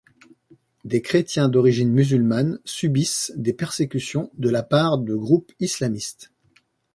Des chrétiens d'origine musulmane subissent des persécutions de la part de groupes islamistes.